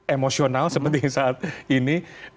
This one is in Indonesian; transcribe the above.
emosional sepenting saat ini